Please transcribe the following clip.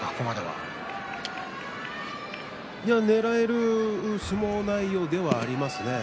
ねらえる相撲内容ではありますね。